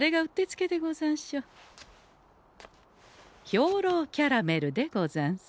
兵糧キャラメルでござんす。